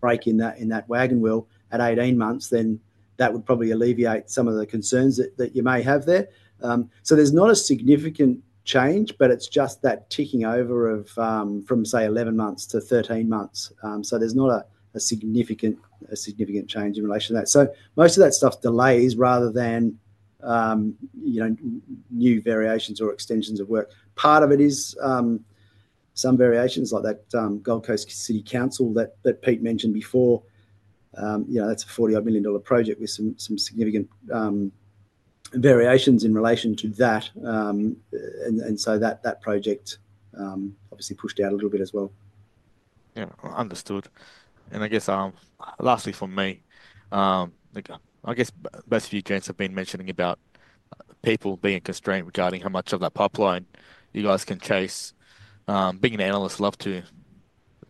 break in that wagon wheel at 18 months, then that would probably alleviate some of the concerns that you may have there. There's not a significant change, it's just that ticking over from, say, 11 months to 13 months. There's not a significant change in relation to that. Most of that stuff is delays rather than new variations or extensions of work. Part of it is some variations, like that Gold Coast City Council that Pete mentioned before. That's a $40 million project with some significant variations in relation to that, and so that project obviously pushed out a little bit as well. Yeah, understood. Lastly from me, both of you guys have been mentioning about people being constrained regarding how much of that pipeline you guys can chase. Being an analyst, love to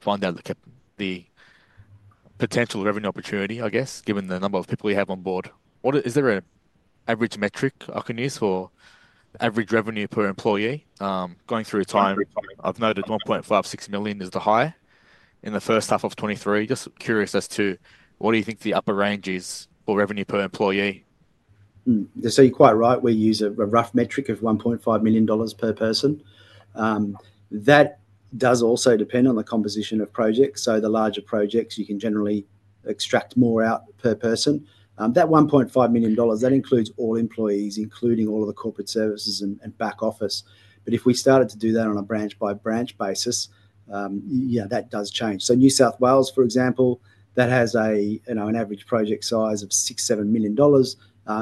find out the potential revenue opportunity, given the number of people you have on board. Is there an average metric I can use for average revenue per employee going through time? I've noted $1.56 million is the high in the first half of 2023. Just curious as to what you think the upper range is for revenue per employee? You're quite right. We use a rough metric of $1.5 million per person. That does also depend on the composition of projects. The larger projects, you can generally extract more out per person. That $1.5 million includes all employees, including all of the corporate services and back office. If we started to do that on a branch-by-branch basis, that does change. New South Wales, for example, has an average project size of $6 million-$7 million,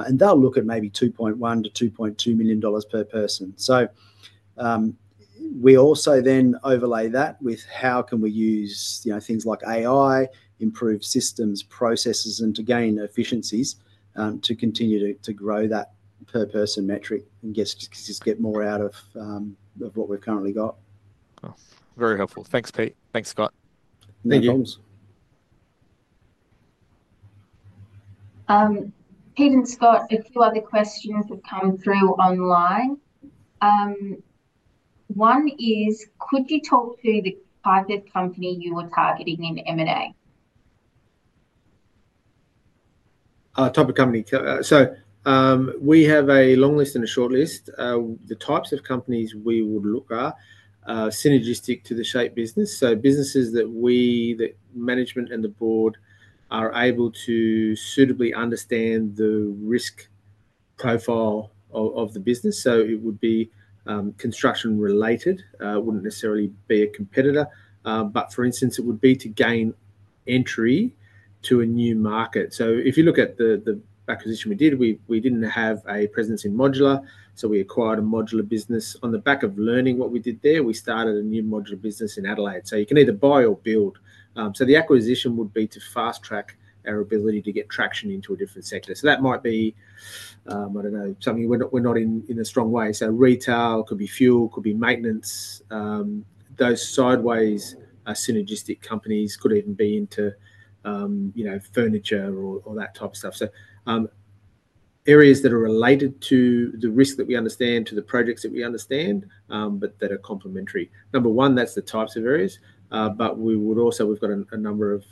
and they'll look at maybe $2.1 million-$2.2 million per person. We also then overlay that with how we can use things like AI, improve systems, processes, and gain efficiencies to continue to grow that per-person metric and just get more out of what we've currently got. Very helpful. Thanks, Pete. Thanks, Scott. No problems. Pete and Scott, a few other questions have come through online. One is, could you talk through the type of company you were targeting in M&A? Type of company. We have a long list and a short list. The types of companies we would look at are synergistic to the SHAPE business. Businesses that we, the management and the board, are able to suitably understand the risk profile of the business. It would be construction-related. It wouldn't necessarily be a competitor. For instance, it would be to gain entry to a new market. If you look at the acquisition we did, we didn't have a presence in modular. We acquired a modular business. On the back of learning what we did there, we started a new modular business in Adelaide. You can either buy or build. The acquisition would be to fast-track our ability to get traction into a different sector. That might be, I don't know, something we're not in a strong way. Retail, it could be fuel, it could be maintenance. Those sideways synergistic companies could even be into, you know, furniture or that type of stuff. Areas that are related to the risk that we understand, to the projects that we understand, but that are complementary. Number one, that's the types of areas. We have a number of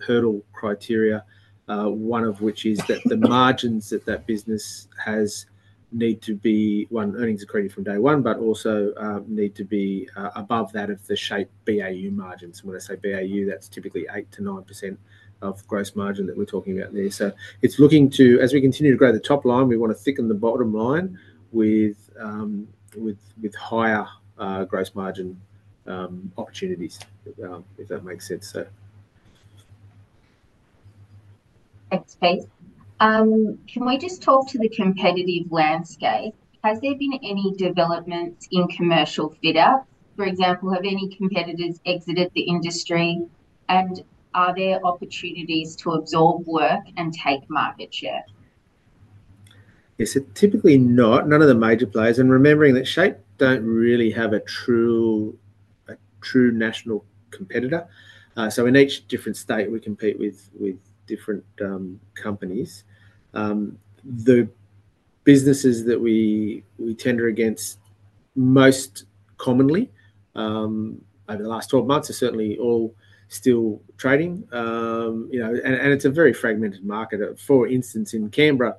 hurdle criteria, one of which is that the margins that that business has need to be, one, earnings accredited from day one, but also need to be above that of the SHAPE BAU margins. When I say BAU, that's typically 8 to 9% of gross margin that we're talking about there. It's looking to, as we continue to grow the top line, we want to thicken the bottom line with higher gross margin opportunities, if that makes sense. Thanks, Pete. Can I just talk to the competitive landscape? Has there been any development in commercial fitout? For example, have any competitors exited the industry? Are there opportunities to absorb work and take market share? Yeah, typically not. None of the major players. Remembering that SHAPE don't really have a true national competitor. In each different state, we compete with different companies. The businesses that we tender against most commonly over the last 12 months are certainly all still trading. It's a very fragmented market. For instance, in Canberra,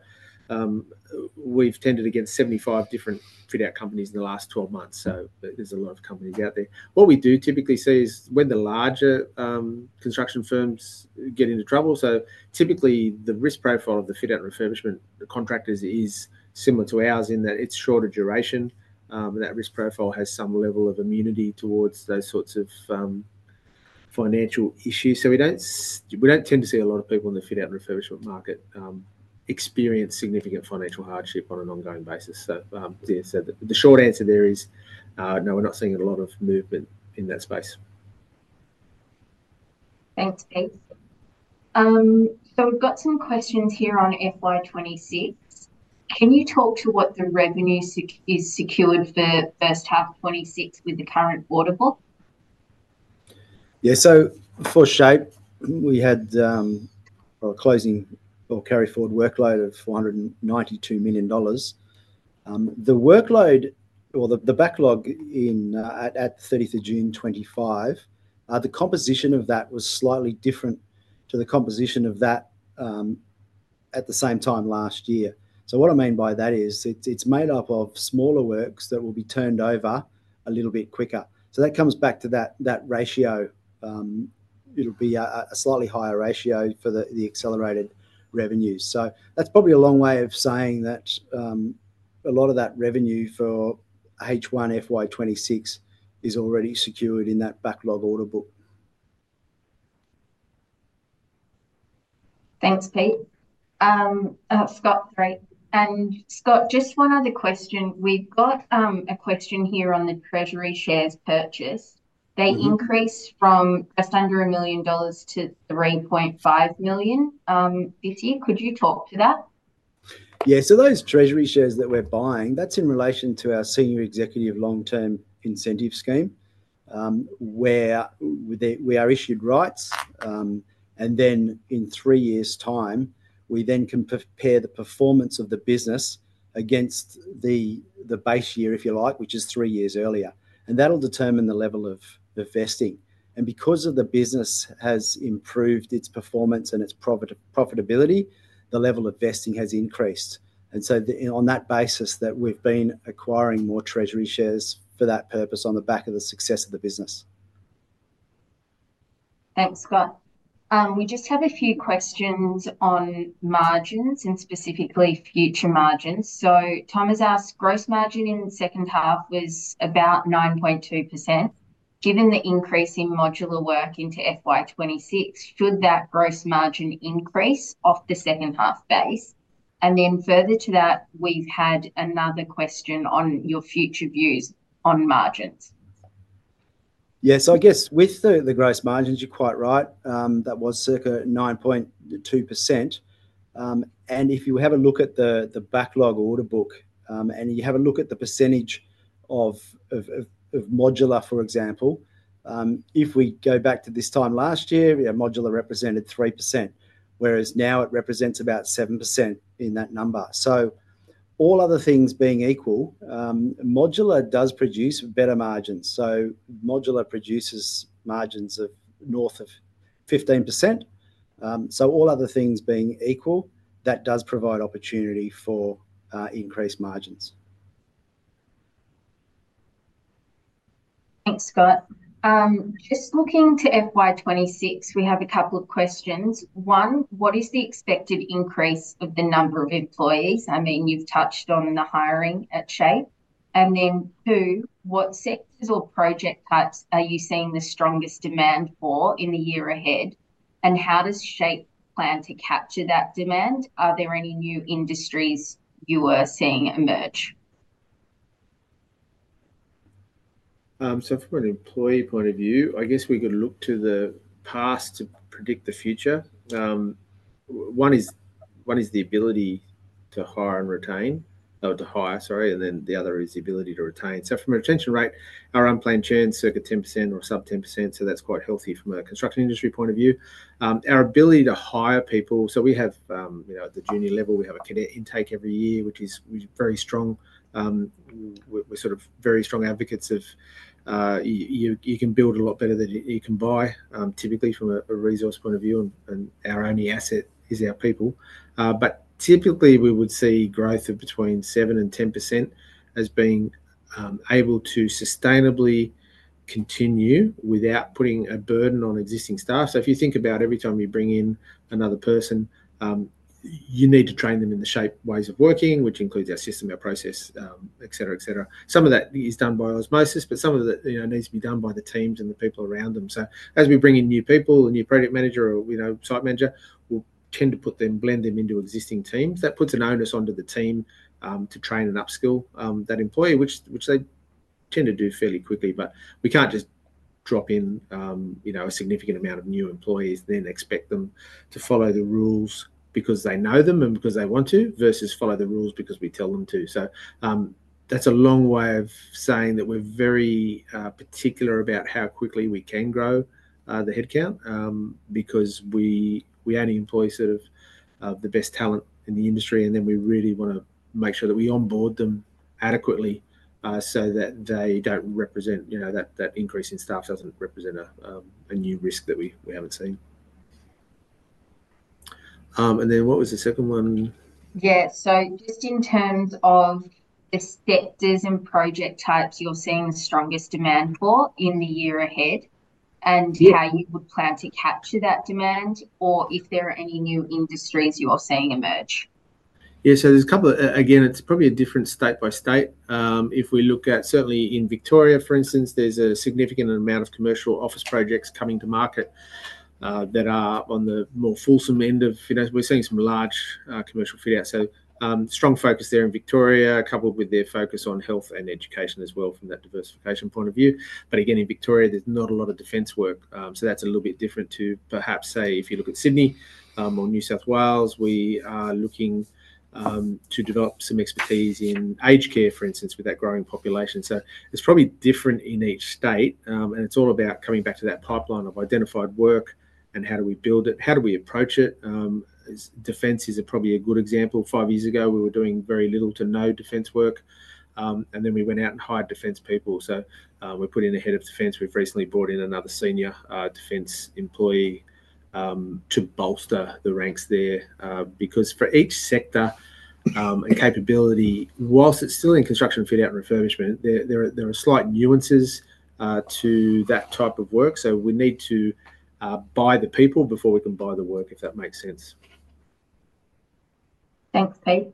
we've tendered against 75 different fitout companies in the last 12 months. There are a lot of companies out there. What we do typically see is when the larger construction firms get into trouble. Typically, the risk profile of the fitout and refurbishment contractors is similar to ours in that it's shorter duration. That risk profile has some level of immunity towards those sorts of financial issues. We don't tend to see a lot of people in the fitout and refurbishment market experience significant financial hardship on an ongoing basis. I'd say that the short answer there is no, we're not seeing a lot of movement in that space. Thanks, Pete. We've got some questions here on FY 2026. Can you talk to what the revenue is secured for the first half of 2026 with the current order book? Yeah, for SHAPE, we had a closing or carry-forward workload of $492 million. The workload or the backlog at the 30th of June 2025, the composition of that was slightly different to the composition of that at the same time last year. What I mean by that is it's made up of smaller works that will be turned over a little bit quicker. That comes back to that ratio. It'll be a slightly higher ratio for the accelerated revenues. That's probably a long way of saying that a lot of that revenue for H1 FY 2026 is already secured in that backlog order book. Thanks, Scott. Just one other question. We've got a question here on the treasury shares purchase. They increased from just under $1 million-$3.5 million this year. Could you talk to that? Those treasury shares that we're buying, that's in relation to our Senior Executive Long-Term Incentive Scheme where we are issued rights. In three years' time, we then can compare the performance of the business against the base year, if you like, which is three years earlier. That'll determine the level of vesting. Because the business has improved its performance and its profitability, the level of vesting has increased. On that basis, we've been acquiring more treasury shares for that purpose on the back of the success of the business. Thanks, Scott. We just have a few questions on margins and specifically future margins. Thomas asked, gross margin in the second half was about 9.2%. Given the increase in modular work into FY 2026, should that gross margin increase off the second half base? Further to that, we've had another question on your future views on margins. Yeah, so I guess with the gross margins, you're quite right. That was circa 9.2%. If you have a look at the backlog order book and you have a look at the percentage of modular, for example, if we go back to this time last year, modular represented 3%, whereas now it represents about 7% in that number. All other things being equal, modular does produce better margins. Modular produces margins of north of 15%. All other things being equal, that does provide opportunity for increased margins. Thanks, Scott. Just looking to FY 2026, we have a couple of questions. One, what is the expected increase of the number of employees? I mean, you've touched on in the hiring at SHAPE. Two, what sectors or project types are you seeing the strongest demand for in the year ahead? How does SHAPE plan to capture that demand? Are there any new industries you are seeing emerge? From an employee point of view, we could look to the past to predict the future. One is the ability to hire, and then the other is the ability to retain. From a retention rate, our unplanned churn is circa 10% or sub 10%. That's quite healthy from a construction industry point of view. Our ability to hire people, at the junior level, we have a cadet intake every year, which is very strong. We're very strong advocates of you can build a lot better than you can buy, typically from a resource point of view, and our only asset is our people. Typically, we would see growth of between 7% and 10% as being able to sustainably continue without putting a burden on existing staff. If you think about every time you bring in another person, you need to train them in the SHAPE ways of working, which includes our system, our process, etcetera. Some of that is done by osmosis, but some of it needs to be done by the teams and the people around them. As we bring in new people, a new project manager or site manager, we'll tend to blend them into existing teams. That puts an onus onto the team to train and upskill that employee, which they tend to do fairly quickly. We can't just drop in a significant amount of new employees and then expect them to follow the rules because they know them and because they want to, versus follow the rules because we tell them to. That's a long way of saying that we're very particular about how quickly we can grow the headcount because we only employ the best talent in the industry, and we really want to make sure that we onboard them adequately so that increase in staff doesn't represent a new risk that we haven't seen. What was the second one? Yeah, just in terms of the sectors and project types you're seeing the strongest demand for in the year ahead and how you would plan to capture that demand or if there are any new industries you are seeing emerge. Yeah, so there's a couple of, again, it's probably different state by state. If we look at certainly in Victoria, for instance, there's a significant amount of commercial office projects coming to market that are on the more fulsome end of, you know, we're seeing some large commercial fitouts. Strong focus there in Victoria, coupled with their focus on health and education as well from that diversification point of view. In Victoria, there's not a lot of defence work. That's a little bit different to perhaps, say, if you look at Sydney or New South Wales, we are looking to develop some expertise in aged care, for instance, with that growing population. It's probably different in each state, and it's all about coming back to that pipeline of identified work and how do we build it, how do we approach it. Defence is probably a good example. Five years ago, we were doing very little to no defence work, and then we went out and hired defence people. We're putting a Head of Defence. We've recently brought in another senior defence employee to bolster the ranks there because for each sector, a capability, whilst it's still in construction, fitout and refurbishment, there are slight nuances to that type of work. We need to buy the people before we can buy the work, if that makes sense. Thanks, Pete.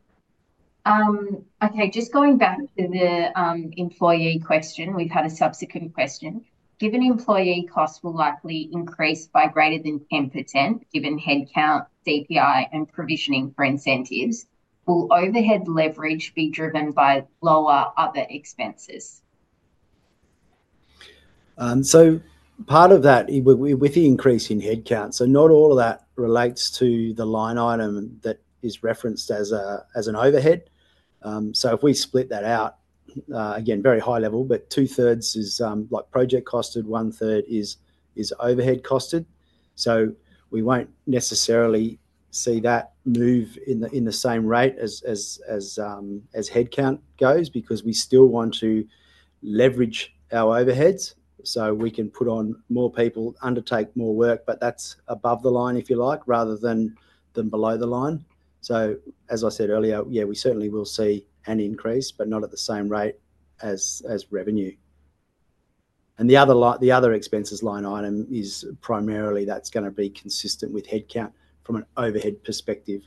Okay, just going back to the employee question, we've had a subsequent question. Given employee costs will likely increase by greater than 10%, given headcount, CPI, and provisioning for incentives, will overhead leverage be driven by lower other expenses? Part of that with the increase in headcount, not all of that relates to the line item that is referenced as an overhead. If we split that out, again, very high level, two-thirds is like project costed, one-third is overhead costed. We won't necessarily see that move in the same rate as headcount goes because we still want to leverage our overheads. We can put on more people, undertake more work, but that's above the line, if you like, rather than below the line. As I said earlier, we certainly will see an increase, but not at the same rate as revenue. The other expenses line item is primarily going to be consistent with headcount from an overhead perspective.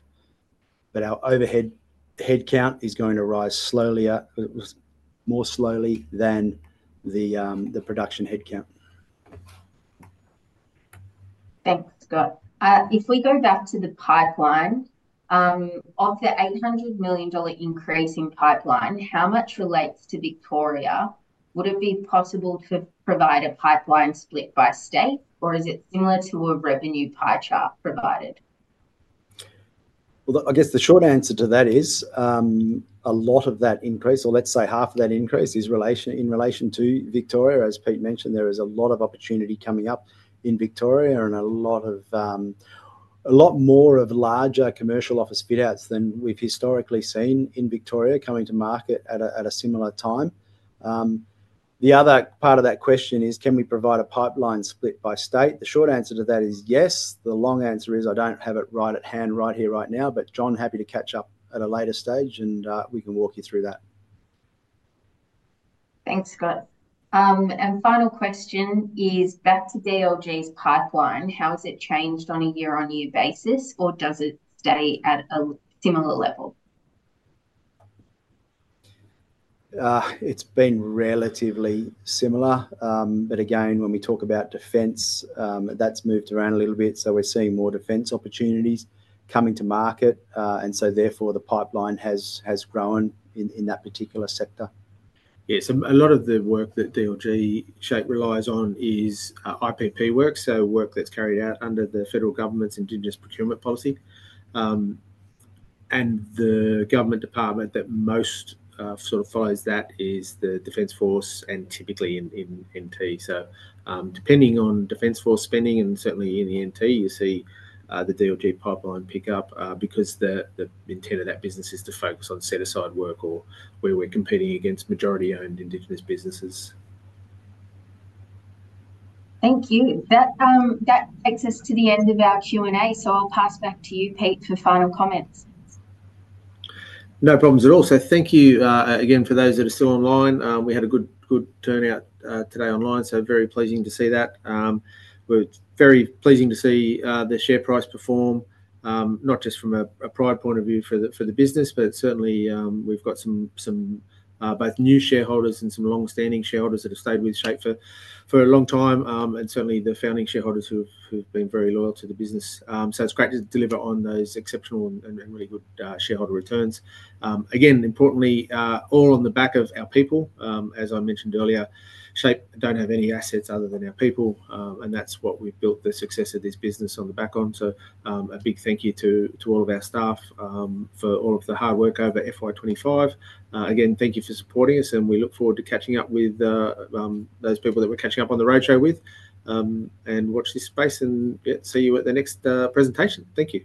Our overhead headcount is going to rise more slowly than the production headcount. Thanks, Scott. If we go back to the pipeline, of the $800 million increase in pipeline, how much relates to Victoria? Would it be possible to provide a pipeline split by state, or is it similar to a revenue pie chart provided? A lot of that increase, or let's say half of that increase, is in relation to Victoria. As Pete mentioned, there is a lot of opportunity coming up in Victoria and a lot more of larger commercial office fit-outs than we've historically seen in Victoria coming to market at a similar time. The other part of that question is, can we provide a pipeline split by state? The short answer to that is yes. The long answer is I don't have it right at hand right here, right now, but John, happy to catch up at a later stage and we can walk you through that. Thanks, Scott. Final question is, back to DLG's pipeline, how has it changed on a year-on-year basis, or does it stay at a similar level? It's been relatively similar, but again, when we talk about defence, that's moved around a little bit. We're seeing more defence opportunities coming to market, and therefore the pipeline has grown in that particular sector. A lot of the work that DLG SHAPE relies on is IPP work, so work that's carried out under the federal government's Indigenous Procurement Policy. The government department that most sort of follows that is the Defence Force and typically in NT. Depending on Defence Force spending and certainly in the NT, you see the DLG pipeline pick up because the intent of that business is to focus on set-aside work or where we're competing against majority-owned Indigenous businesses. Thank you. That takes us to the end of our Q&A, so I'll pass back to you, Peter, for final comments. No problems at all. Thank you again for those that are still online. We had a good turnout today online, so very pleasing to see that. It was very pleasing to see the share price perform, not just from a pride point of view for the business, but certainly we've got some both new shareholders and some longstanding shareholders that have stayed with SHAPE for a long time, and certainly the founding shareholders who've been very loyal to the business. It's great to deliver on those exceptional and really good shareholder returns. Again, importantly, all on the back of our people. As I mentioned earlier, SHAPE doesn't have any assets other than our people, and that's what we've built the success of this business on the back of.A big thank you to all of our staff for all of the hard work over FY2025. Thank you for supporting us, and we look forward to catching up with those people that we're catching up on the roadshow with. Watch this space and see you at the next presentation. Thank you.